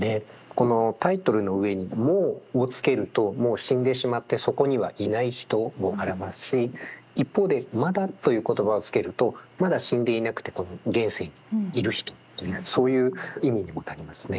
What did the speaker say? このタイトルの上に「もう」をつけるともう死んでしまってそこにはいない人を表すし一方で「まだ」という言葉をつけるとまだ死んでいなくてこの現世にいる人とそういう意味にもなりますね。